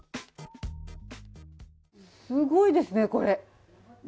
すごいですねこれ。